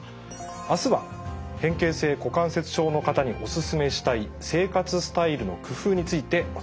明日は変形性股関節症の方にお勧めしたい生活スタイルの工夫についてお伝えします。